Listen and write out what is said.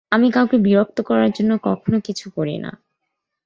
আমি কাউকে বিরক্ত করার জন্যে কখনো কিছু করি না।